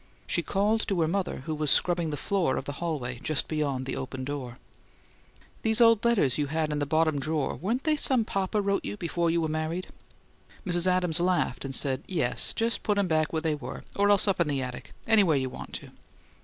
She called to her mother, who was scrubbing the floor of the hallway just beyond the open door, "These old letters you had in the bottom drawer, weren't they some papa wrote you before you were married?" Mrs. Adams laughed and said, "Yes. Just put 'em back where they were or else up in the attic anywhere you want to."